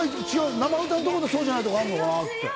生歌のところとそうじゃないところがあるのかなって。